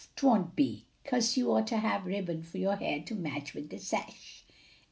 'twon't be, kase you oughter hab ribbon for yo' hair to match wid de sash."